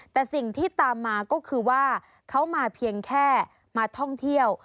แต่สิ่งที่ตามมาก็คือว่าเขามาเพียงแค่มาท่องเที่ยว